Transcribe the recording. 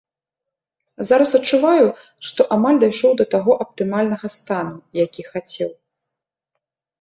Зараз адчуваю, што амаль дайшоў да таго аптымальнага стану, які хацеў.